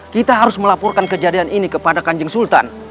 kita harus melaporkan kejadian ini kepada kanjeng sultan